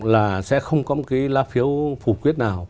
là sẽ không có một cái lá phiếu phủ quyết nào